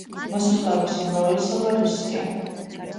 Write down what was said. მოსახლეობის უმრავლესობა რუსია.